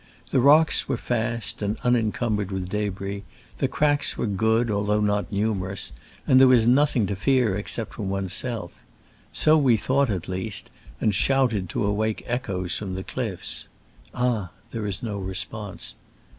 The rocks were fast and unencumbered with d6bris, the cracks were good, although not nu merous, arvd there was nothing to fear except from one's self. So we thought, at least, and shouted to awake echoes from the cliffs. Ah ! there is no re sponse.